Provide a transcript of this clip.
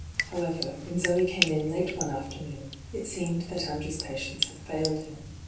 However, when Zoe came in late one after noon, it seemed that Andrew's patience had failed him.